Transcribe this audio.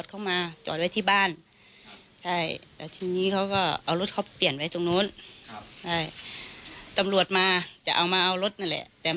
จมากคือคืองานไม่ได้